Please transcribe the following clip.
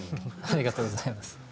ありがとうございます。